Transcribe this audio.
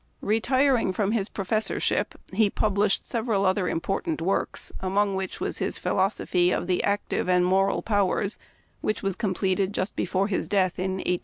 Retiring from his professorship, he published several other important works, among which was his " Philosophy of the Active and Moral Powers," which was completed just before his death in 182S.